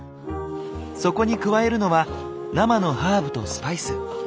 そこに加えるのは生のハーブとスパイス。